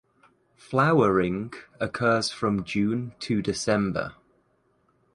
Flowering occurs from June to December.